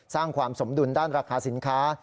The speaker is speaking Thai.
สร้างความสมดุลด้านราคาสินค้า